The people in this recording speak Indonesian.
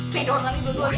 pedon lagi berduanya